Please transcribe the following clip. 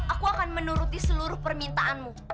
aku akan menuruti seluruh permintaanmu